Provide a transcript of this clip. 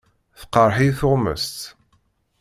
Teqreḥ-iyi tuɣmest.